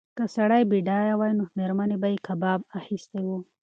که سړی بډایه وای نو مېرمنې ته به یې کباب اخیستی و.